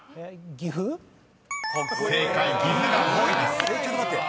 「岐阜」が５位です。